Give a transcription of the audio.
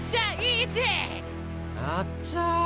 あっちゃ。